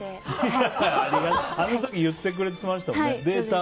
あの時言ってくれてましたよね。